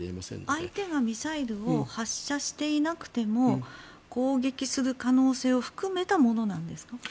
相手がミサイルを発射していなくても攻撃する可能性を含めたものなんですか？